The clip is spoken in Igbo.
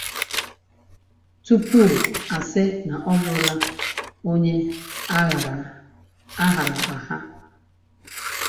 tupuu a sị na ọ bụrụla onye a hara àhà